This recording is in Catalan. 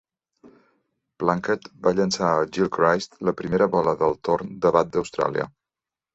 Plunkett va llançar a Gilchrist la primera bola del torn de bat d'Austràlia.